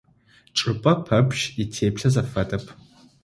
Чӏыпӏэ пэпчъ итеплъэ зэфэдэп.